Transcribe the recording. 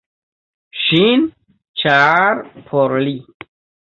Ŝin, ĉar por li.